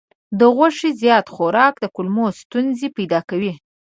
د غوښې زیات خوراک د کولمو ستونزې پیدا کوي.